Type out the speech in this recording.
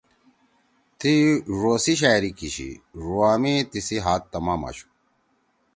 تی ڙو سی شاعری کیِشی۔ ڙوا می تیِسی ہات تمام آشُو۔